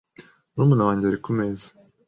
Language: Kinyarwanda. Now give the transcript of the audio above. Murumuna wanjye ari kumeza.